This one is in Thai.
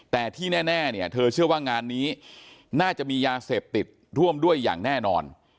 แต่ที่แน่เนี่ยเธอเชื่อว่างานนี้น่าจะมียาเสพติดร่วมด้วยอย่างแน่นอน